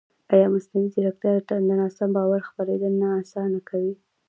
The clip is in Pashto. ایا مصنوعي ځیرکتیا د ناسم باور خپرېدل نه اسانه کوي؟